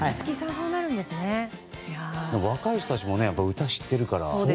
若い人たちも歌を知っているから。